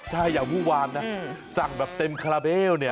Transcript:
ใช่อย่างวู้วานนะสั่งแบบเต็มคาราเบลเนี่ย